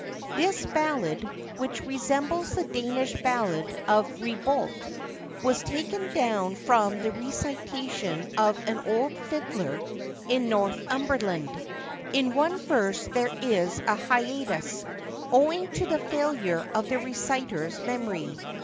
[THIS ballad, which resembles the Danish ballad of Ribolt, was taken down from the recitation of an old fiddler in Northumberland: in one verse there is an hiatus, owing to the failure of the reciter's memory.